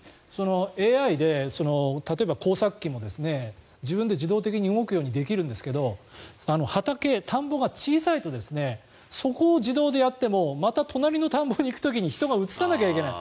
ＡＩで例えば耕作機も自分で自動的に動くようにできるんですが畑、田んぼが小さいとそこを自動でやってもまた隣の田んぼに行く時に人が移さなきゃいけない。